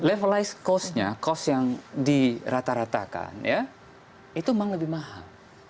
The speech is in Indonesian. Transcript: levelized cost nya cost yang dirata ratakan ya itu memang lebih mahal